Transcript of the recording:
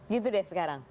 gitu deh sekarang